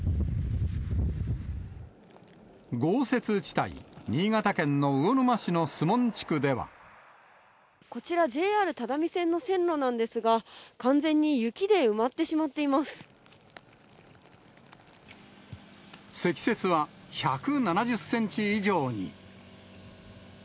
豪雪地帯、こちら、ＪＲ只見線の線路なんですが、完全に雪で埋まってしまっていま積雪は１７０センチ以上に。